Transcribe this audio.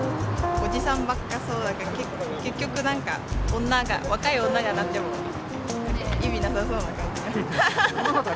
おじさんばっかそうだから、結局なんか、若い女がなっても意味なさそうな感じが。